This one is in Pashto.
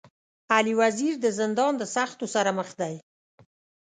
علي وزير د زندان د سختو سره مخ دی.